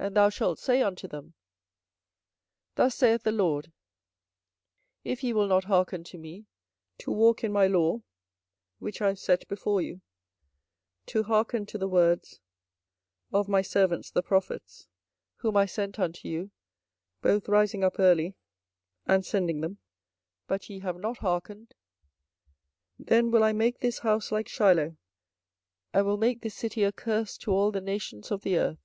24:026:004 And thou shalt say unto them, Thus saith the LORD; If ye will not hearken to me, to walk in my law, which I have set before you, 24:026:005 To hearken to the words of my servants the prophets, whom I sent unto you, both rising up early, and sending them, but ye have not hearkened; 24:026:006 Then will I make this house like Shiloh, and will make this city a curse to all the nations of the earth.